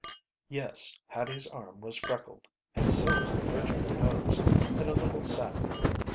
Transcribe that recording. Yes, Hattie's arm was freckled, and so was the bridge of her nose, in a little saddle.